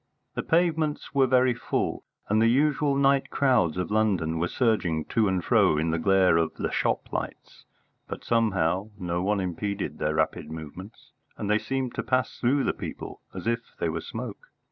The pavements were very full, and the usual night crowds of London were surging to and fro in the glare of the shop lights, but somehow no one impeded their rapid movements, and they seemed to pass through the people as if they were smoke.